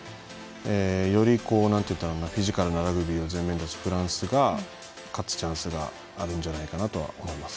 よりフィジカルなラグビーを前面に出すフランスが勝つチャンスがあるんじゃないかと思います。